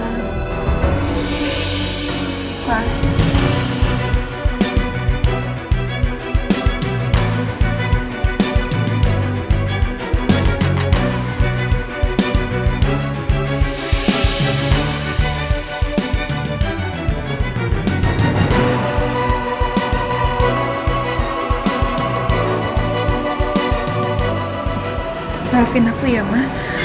bapak alvin aku ya ma